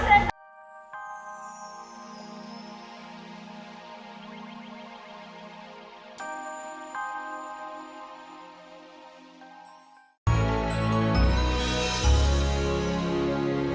aku mau pak